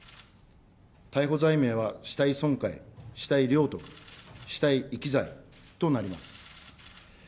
逮捕罪名は死体損壊、死体領得、死体遺棄罪となります。